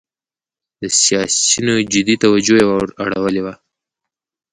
د سیاسینو جدي توجه یې وراړولې وه.